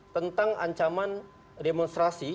tentang ancaman demonstrasi